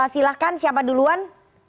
silahkan siapa duluan